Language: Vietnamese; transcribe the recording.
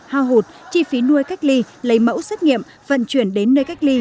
hao hụt chi phí nuôi cách ly lấy mẫu xét nghiệm vận chuyển đến nơi cách ly